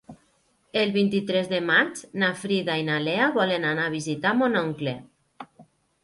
El vint-i-tres de maig na Frida i na Lea volen anar a visitar mon oncle.